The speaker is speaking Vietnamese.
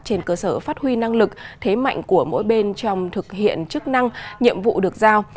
trên cơ sở phát huy năng lực thế mạnh của mỗi bên trong thực hiện chức năng nhiệm vụ được giao